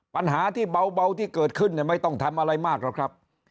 ปัญหาที่เบาที่เกิดขึ้นไม่ต้องทำอะไรมากหรอกครับ